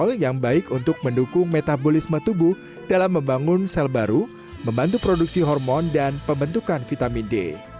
hal yang baik untuk mendukung metabolisme tubuh dalam membangun sel baru membantu produksi hormon dan pembentukan vitamin d